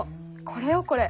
これよこれ。